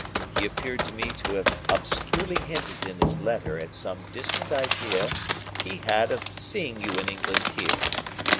He appeared to me to have obscurely hinted in his letter at some distant idea he had of seeing you in England here.